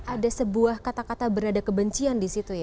ada sebuah kata kata berada kebencian disitu ya